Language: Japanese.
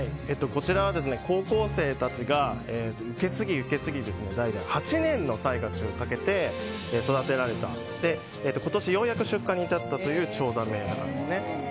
こちらは高校生たちが代々受け継ぎ受け継ぎ８年の歳月をかけて育てられていて今年ようやく出荷に至ったというチョウザメです。